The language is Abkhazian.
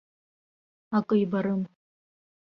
Акы ибарым.